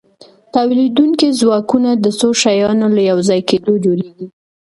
تولیدونکي ځواکونه د څو شیانو له یوځای کیدو جوړیږي.